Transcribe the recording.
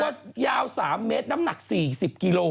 ยาว๓เมตรน้ำหนัก๔๐กิโล